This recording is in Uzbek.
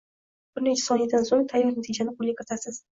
Bir necha soniyadan soʻng tayyor natijani qo’lga kiritasiz.